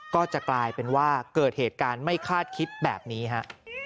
ก็จะกลายเป็นว่าเกิดเหตุการณ์ไม่คาดคิดแบบนี้ฮะ